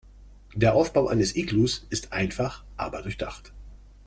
Der Aufbau eines Iglus ist einfach, aber durchdacht.